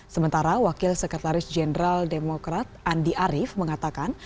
sementara wakil sekretaris jenderal demokrat andi arief mengatakan